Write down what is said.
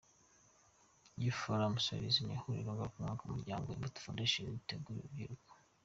Youth Forum Series ni ihuriro ngarukamwaka umuryango Imbuto Foundation utegurira urubyiruko.